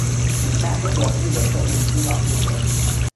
以下是广义的社会民主党列表。